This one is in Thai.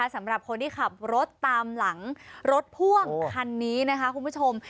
สำหรับคนที่ขับรถตามหลังรถพ่วงคันนี้นะคะคุณผู้ชม